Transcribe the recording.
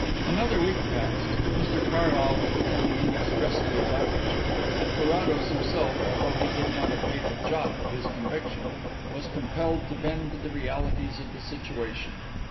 Another week passed; Mr Carlyle was becoming inexpressibly waggish, and Carrados himself, although he did not abate a jot of his conviction, was compelled to bend to the realities of the situation.